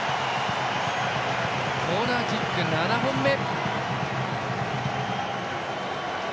コーナーキック７本目。